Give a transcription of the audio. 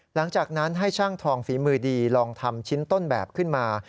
หลังจากนั้นให้ช่างทองฝีมือดีลองทำชิ้นต้นแบบขึ้นมา